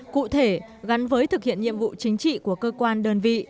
cụ thể gắn với thực hiện nhiệm vụ chính trị của cơ quan đơn vị